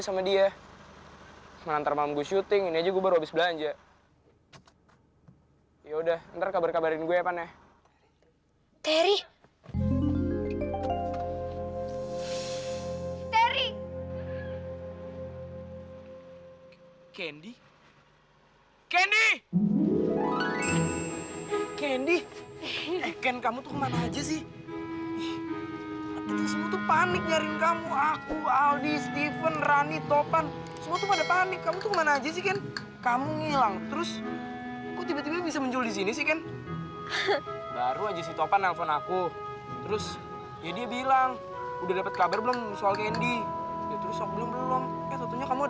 sampai jumpa di video selanjutnya